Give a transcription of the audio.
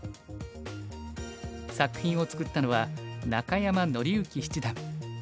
作品を作ったのは中山典之七段。